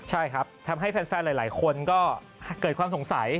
ใช่ครับทำให้แฟนหลายคนก็เกิดความสงสัย